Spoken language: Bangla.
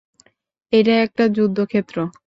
এটা একটা যুদ্ধক্ষেত্র।